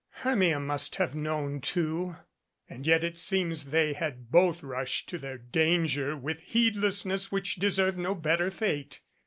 Hermia must have known, too, and yet it seems they had both rushed to their danger with a heedlessness which deserved no better fate.